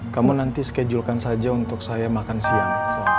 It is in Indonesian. kamu nanti schedulekan saja untuk saya makan siang